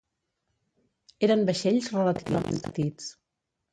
Eren vaixells relativament petits.